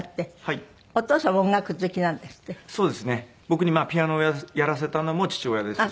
僕にピアノをやらせたのも父親ですし。